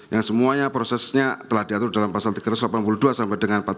yang semuanya prosesnya telah diatur dalam pasal tiga ratus delapan puluh dua sampai dengan empat puluh